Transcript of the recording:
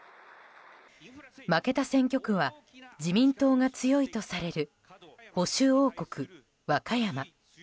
負けた選挙区は自民党が強いとされる保守王国・和歌山。